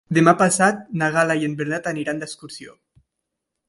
Demà passat na Gal·la i en Bernat aniran d'excursió.